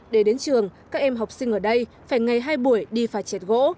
để đến trường các em học sinh ở đây phải ngày hai buổi đi phải chẹt gỗ